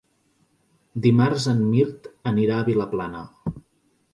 Dimarts en Mirt anirà a Vilaplana.